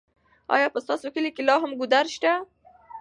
ایا په ستاسو کلي کې لا هم ګودر شته؟